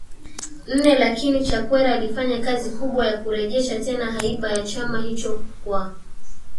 nne lakini Chakwera alifanya kazi kubwa ya kurejesha tena haiba ya chama hicho kwa